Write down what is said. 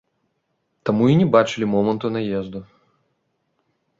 Таму і не бачылі моманту наезду.